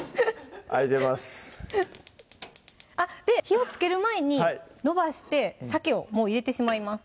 開いてます火をつける前に延ばしてさけをもう入れてしまいます